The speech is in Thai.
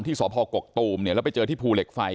สพกกตูมเนี่ยแล้วไปเจอที่ภูเหล็กไฟ